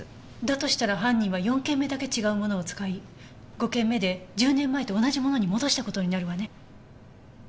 だとしたら犯人は４件目だけ違うものを使い５件目で１０年前と同じものに戻した事になるわね。